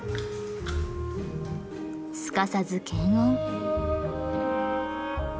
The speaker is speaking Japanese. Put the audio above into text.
すかさず検温。